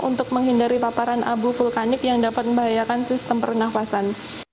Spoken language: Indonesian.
untuk menghindari paparan abu vulkanik yang dapat membahayakan sistem pernafasan